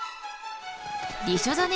りしょざね